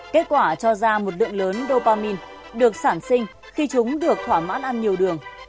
kết quả cho ra một lượng lớn dopamine được sản sinh khi chúng được thỏa mãn ăn nhiều đường